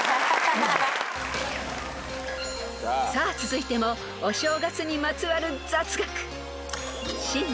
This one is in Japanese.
［さあ続いてもお正月にまつわる雑学］